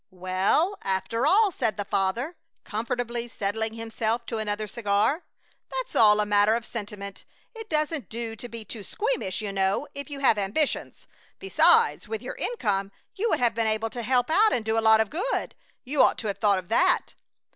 "Well, after all," said the father, comfortably settling himself to another cigar, "that's all a matter of sentiment. It doesn't do to be too squeamish, you know, if you have ambitions. Besides, with your income you would have been able to help out and do a lot of good. You ought to have thought of that."